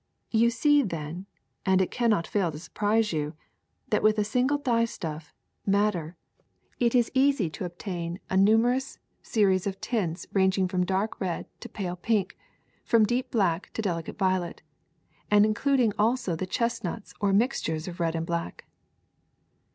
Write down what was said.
You see, then — and it cannot fail to surprise you — that with a single dyestuff, madder, it is easy to obtain a numer DYESTUFFS 73 ous series of tints ranging from dark red to pale pink, from deep black to delicate violet, and includ ing also the chestnuts or mixtures of red and black.